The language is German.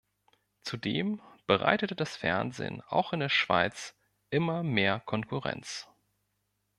Zudem bereitete das Fernsehen auch in der Schweiz immer mehr Konkurrenz.